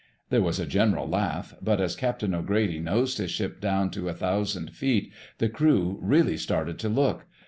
There was a general laugh, but as Captain O'Grady nosed his ship down to a thousand feet the crew really started to look.